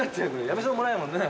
やみそうもないもんね。